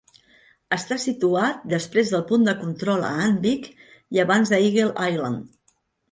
Està situat després del punt de control a Anvik i abans d'Eagle Island.